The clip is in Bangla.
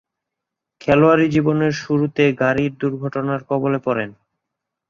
খেলোয়াড়ী জীবনের শুরুতে গাড়ী দূর্ঘটনার কবলে পড়েন।